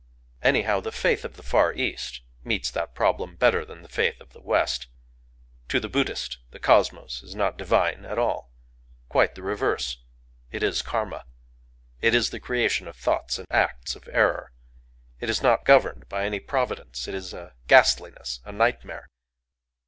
Anyhow the faith of the Far East meets that problem better than the faith of the West. To the Buddhist the Cosmos is not divine at all—quite the reverse. It is Karma;—it is the creation of thoughts and acts of error;—it is not governed by any providence;—it is a ghastliness, a nightmare.